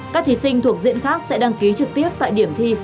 các thí sinh thuộc diện khác sẽ đăng ký trực tiếp tại điểm thi